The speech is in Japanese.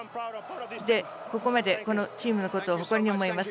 ここまで、このチームのことを誇りに思います。